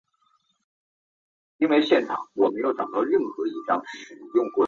亦会出现某些动物作出帮助。